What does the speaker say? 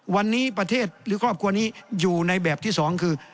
วันนี้ประเทศหรือครอบครัวนี้อยู่ในแบบที่สองคือ